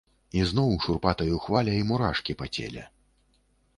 І зноў шурпатаю хваляй мурашкі па целе.